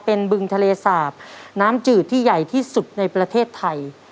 เป็นบึงทะเลสาบน้ำจืดที่ใหญ่ที่สุดในประเทศไทย